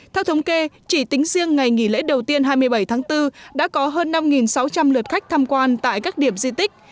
theo thống kê chỉ tính riêng ngày nghỉ lễ đầu tiên hai mươi bảy tháng bốn đã có hơn năm sáu trăm linh lượt khách tham quan tại các điểm di tích